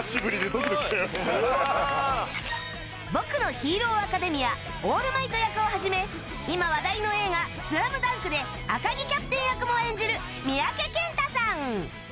『僕のヒーローアカデミア』オールマイト役を始め今話題の映画『ＳＬＡＭＤＵＮＫ』で赤木キャプテン役も演じる三宅健太さん